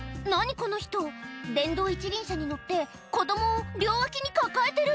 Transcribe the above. この人電動一輪車に乗って子供を両脇に抱えてる！